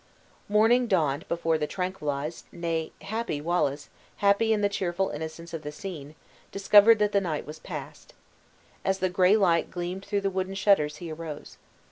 Morning dawned before the tranquilized, nay, happy Wallace, happy in the cheerful innocence of the scene, discovered that the night was past. As the gray light gleamed through the wooden shutters he arose.